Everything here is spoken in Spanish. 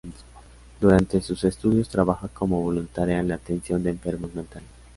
Durante sus estudios trabaja como voluntaria en la atención de enfermos mentales.